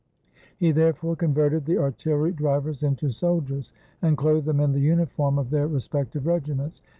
He therefore converted the artillery drivers into sol diers, and clothed them in the uniform of their re spective regiments.